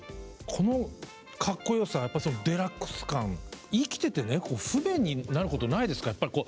このかっこよさデラックス感生きててね不便になることないですか？